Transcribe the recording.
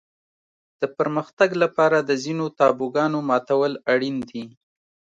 د پرمختګ لپاره د ځینو تابوګانو ماتول اړین دي.